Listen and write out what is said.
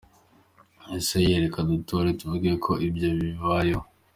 Ese ye, reka turote tuvuge ko ibyo bibayeho: